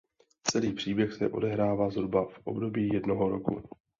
Celý příběh se odehrává zhruba v období jednoho roku.